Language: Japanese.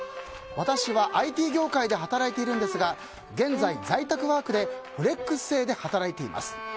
私は、ＩＴ業界で働いているんですが現在、在宅ワークでフレックス制で働いています。